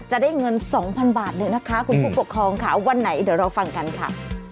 จะได้เงิน๒๐๐๐บาทเลยนะคะคุณผู้ปกครองค่ะวันไหนเดี๋ยวเราฟังกันค่ะ